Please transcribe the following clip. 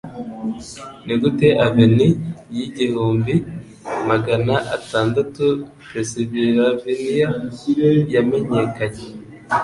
Nigute Aveni ya igihumbi Magana atandatu Pensylvania Yamenyekanye